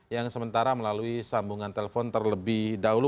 yang sementara melalui sambungan telepon terlebih dahulu